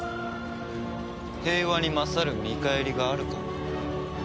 平和に勝る見返りがあるか？